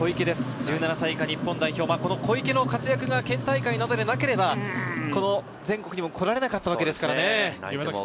１７歳以下日本代表、小池の活躍が県大会などでなければ、この全国にも来られなかったわけですからね。